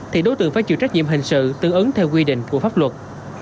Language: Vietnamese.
thì đối tượng phải chịu trách nhiệm hình sự tư ứng theo quy định của pháp luật